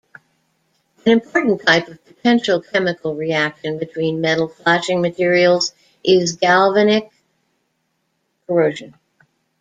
An important type of potential chemical reaction between metal flashing materials is galvanic corrosion.